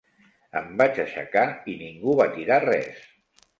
Em vaig aixecar i ningú va tirar res.